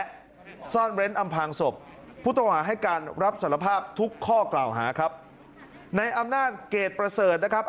และซ่อนเร้นอำพางศพผู้ต้องหาให้การรับสารภาพทุกข้อกล่าวหาครับในอำนาจเกรดประเสริฐนะครับ